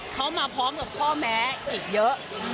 เขามาพร้อมกับข้อแม้อีกเยอะ